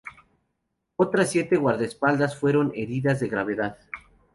Otras siete guardaespaldas fueron heridas de gravedad.